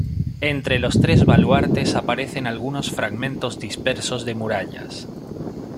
Entre los tres baluartes aparecen algunos fragmentos dispersos de murallas.